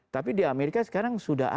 tapi di amerika sekarang sudah ada